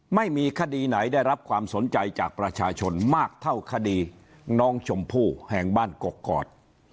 ไม่มีคดีไหนได้รับความสนใจจากประชาชนมากเท่าคดีน้องชมพู่แห่งบ้านกกอก